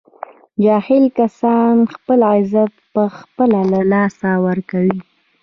جاهل کسان خپل عزت په خپله له لاسه ور کوي